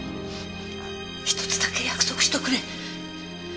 １つだけ約束しとくれ。